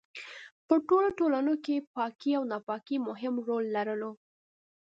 په ټولو ټولنو کې پاکي او ناپاکي مهم رول لرلو.